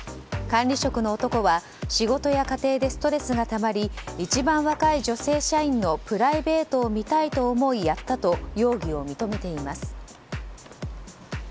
管理職の男は仕事や家庭でストレスがたまり一番若い女性社員のプライベートを見たいと思いやったと容疑を認めています。